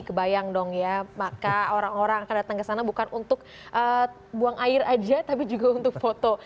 kebayang dong ya maka orang orang akan datang ke sana bukan untuk buang air aja tapi juga untuk foto